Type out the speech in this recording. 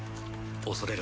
恐れる